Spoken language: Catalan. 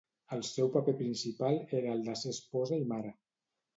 El seu paper principal era el de ser esposa i mare.